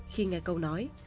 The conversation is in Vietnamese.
khi nghe câu nói